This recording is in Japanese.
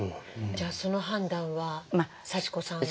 じゃあその判断は幸子さんが。